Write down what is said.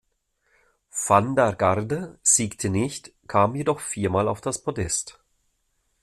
Van der Garde siegte nicht, kam jedoch viermal auf das Podest.